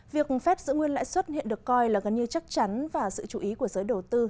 việc phép giữ nguyên lãi suất hiện được coi là gần như chắc chắn và sự chú ý của giới đầu tư